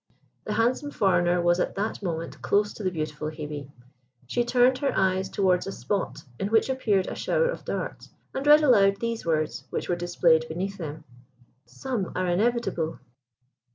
The handsome foreigner was at that moment close to the beautiful Hebe. She turned her eyes towards a spot in which appeared a shower of darts, and read aloud these words, which were displayed beneath them: "Some are inevitable."